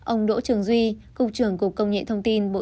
ông đỗ trường duy cục trưởng cục công nhện thông tin